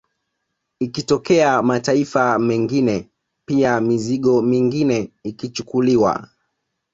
Ikitokea mataifa mengine pia mizigo mingine ikichukuliwa